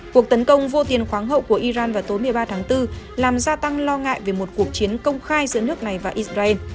cuộc tấn công vô tiền khoáng hậu của iran vào tối một mươi ba tháng bốn làm gia tăng lo ngại về một cuộc chiến công khai giữa nước này và israel